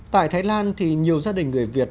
tại thái lan thì nhiều gia đình người việt